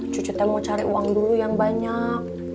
cucu saya mau cari uang dulu yang banyak